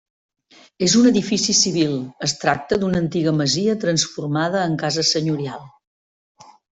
És un edifici civil, es tracta d'una antiga masia transformada en casa senyorial.